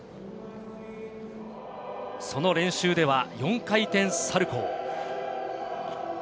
その練習では４回転サルコー。